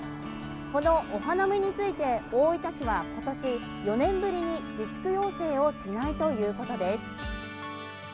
このお花見について、大分市はことし、４年ぶりに自粛要請をしないということです。